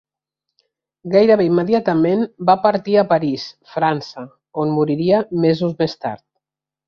Gairebé immediatament va partir a París, França, on moriria mesos més tard.